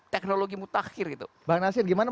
teknologi mutakhir gitu bang nasir gimana